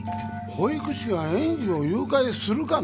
保育士が園児を誘拐するかね？